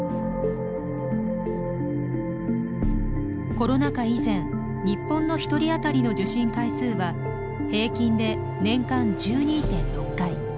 コロナ禍以前日本の１人あたりの受診回数は平均で年間１２．６回。